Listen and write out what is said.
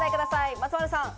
松丸さん。